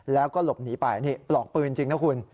แล้วก็หลบหนีไปนี่ปลอกปืนจริงนะคุณ